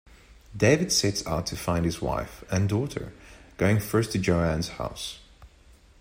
David sets out to find his wife and daughter, going first to Joanne's house.